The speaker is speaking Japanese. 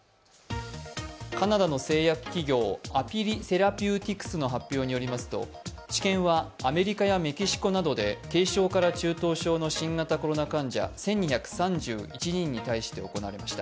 カナダの製薬企業アピリ・セラピューティクスの発表によりますと治験はアメリカやメキシコなどて軽症から中等症の患者１２３１人に対して行われました。